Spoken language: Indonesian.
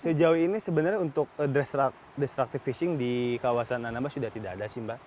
sejauh ini sebenarnya untuk destructive fishing di kawasan anambas sudah tidak ada sih mbak